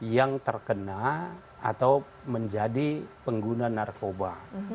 yang terkena atau menjadi pengguna narkoba